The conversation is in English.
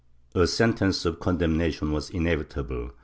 ^ A sentence of condemnation was inevitable.